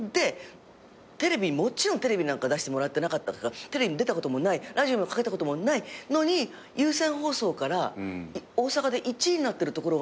Ｂ面でもちろんテレビなんか出してもらってなかったからテレビに出たこともないラジオもかけたこともないのに有線放送から大阪で１位になってるところあるって。